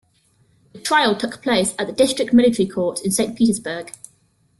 The trial took place at a district military court in St.Petersburg.